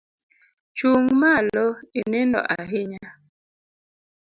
Chung malo , inindo ahinya